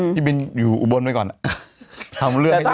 พี่บินอยู่บนไว้ก่อนทำเรื่องไม่ได้เลย